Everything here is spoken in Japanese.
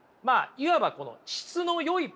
いわばこの質のよいポジをね。